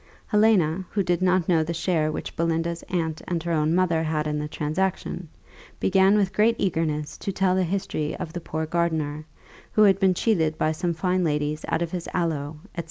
Helena, who did not know the share which Belinda's aunt and her own mother had in the transaction, began with great eagerness to tell the history of the poor gardener, who had been cheated by some fine ladies out of his aloe, &c.